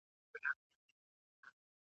زمونږ په ټولنه کي د شخصیتونو وران حساب کېږي.